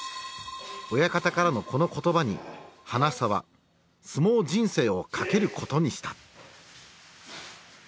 親方からのこの言葉に花房は相撲人生をかけることにした。